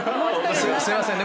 すいませんね